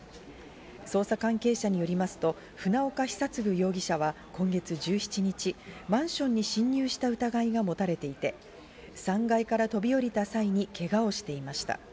捜査関係者によりますと船岡久嗣容疑者は今月１７日、マンションに侵入した疑いが持たれていて、３階から飛び降りた際にけがをしていました。